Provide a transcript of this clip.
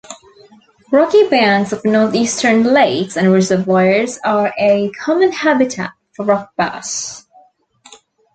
Rocky banks of northeastern lakes and reservoirs are a common habitat for rock bass.